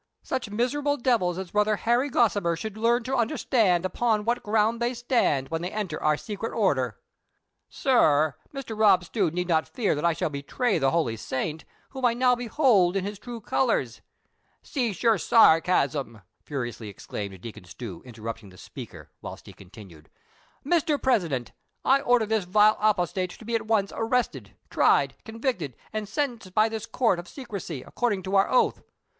"• Such miserable devils as Brother Harry Gossimer should learn to understand upon what ground tliey stand, when they enter our secret order !''*• Sir, Mr. Rob Stew need not fear that I shall betray the holy saint, whom I now behold in his true colors "— ''Cease your sarcasm," furiously exclaimed Deacon Stew, interrupting the speaker, whilst he continued, "Mr. President, I order this vile apostate to be at once arrested, tried, convicted and sentenced by this court of secrecy, ac cording to our oath.